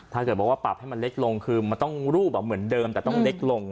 ถ้าเกิดบอกว่าปรับให้มันเล็กลงคือมันต้องรูปเหมือนเดิมแต่ต้องเล็กลง